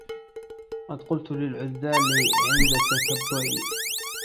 قد قلت للعذال عند تتبعي